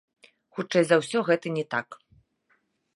Хутчэй за ўсё, гэта не так.